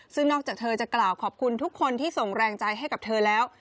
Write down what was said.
ซึ่งนอกจากเธอจะกล่าวขอบคุณทุกคนที่ส่งแรงใจให้กับเธอแล้ว